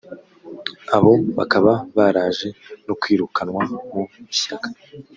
abo bakaba baraje no kwirukanwa mu ishyaka